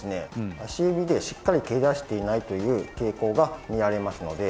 足指でしっかり蹴り出していないという傾向が見られますので。